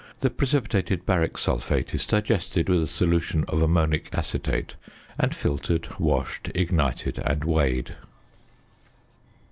The precipitated baric sulphate is digested with a solution of ammonic acetate; and filtered, washed, ignited, and weighed.